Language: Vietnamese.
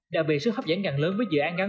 đã bị sự hấp dẫn gần lớn với dự án gắn